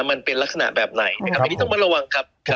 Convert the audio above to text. มันเป็นลักษณะแบบไหนนะครับอันนี้ต้องมาระวังครับ